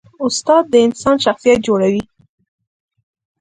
استاد د انسان شخصیت جوړوي.